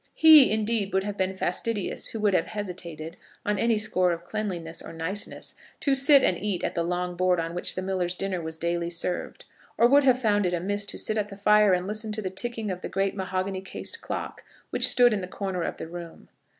He, indeed, would have been fastidious who would have hesitated, on any score of cleanliness or niceness, to sit and eat at the long board on which the miller's dinner was daily served, or would have found it amiss to sit at that fire and listen to the ticking of the great mahogany cased clock, which stood in the corner of the room.